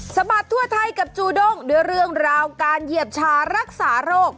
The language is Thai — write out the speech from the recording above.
บัดทั่วไทยกับจูด้งด้วยเรื่องราวการเหยียบชารักษาโรค